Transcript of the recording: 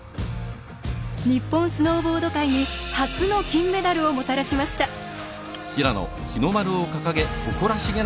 日本スノーボード界に初の金メダルをもたらしました。